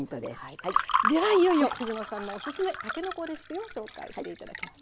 ではいよいよ藤野さんのオススメたけのこレシピを紹介して頂きます。